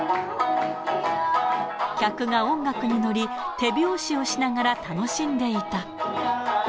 客が音楽に乗り、手拍子をしながら楽しんでいた。